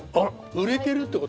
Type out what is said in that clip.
売れてるって事？